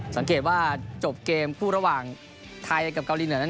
สังเกตว่าจบเกมคู่ระหว่างไทยกับเกาหลีเหนือนั้น